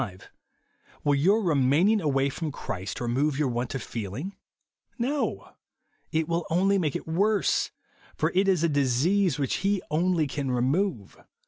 Will your remaining aivay froon Christ remove your want of feeling ? No. It will only make it worse ; for it is a disease which he only can remove.